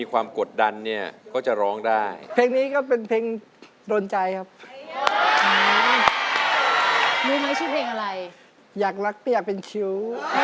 ว่าคนคนนี้อยากรักไม่อยากเป็นชู้